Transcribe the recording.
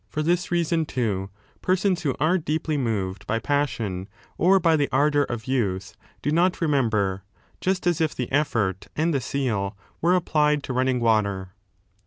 For this reason, too, persons who are n deeply moved by passion or by the ardour of youth do 450 3 not remember, just as if the effort and the seal were applied to running water.